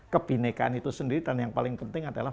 kebinekaan itu sendiri dan yang paling penting adalah